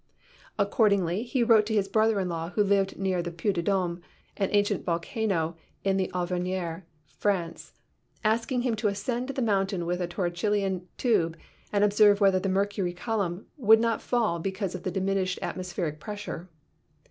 Ac cordingly he wrote to his brother in law, who lived near the Puy de Dome, an ancient volcano in the Auvergne, France, asking him to ascend the mountain with a Torri cellian tube and observe whether the mercury column would not fall because of the diminished atmospheric pres sure.